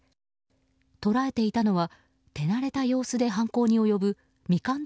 捉えていたのは手慣れた様子で犯行に及ぶミカン